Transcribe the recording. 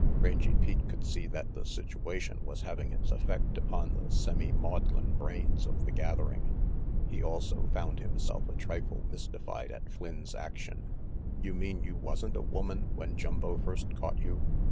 Rangy Pete could see that the situation was having its effect upon the semi maudlin brains of the gathering. He also found himself a trifle mysti fied at Flynn's action. "You mean you wasn't a woman when Jumbo first caught you?"